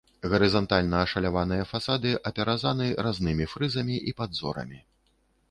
Гарызантальна ашаляваныя фасады апяразаны разнымі фрызамі і падзорамі.